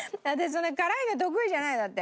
そんなに辛いの得意じゃないんだって。